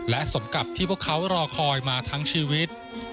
และสมกับที่พวกเขารอคอยมาทั้งชีวิต